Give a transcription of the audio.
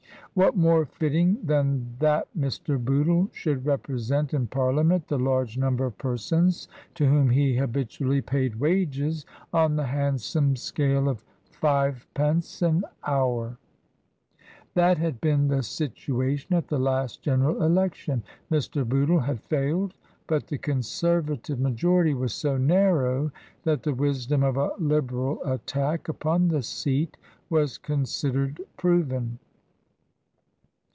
What more fitting than that Mr. Bootle should represent in Parliament the large number of persons to whom he habitually paid wages on the handsome scale of five pence an hour ? That had been the situation at the last General Elec tion. Mr. Bootle had failed, but the Conservative ma jority was so narrow that the wisdom of a Liberal attack upon the seat was considered proven.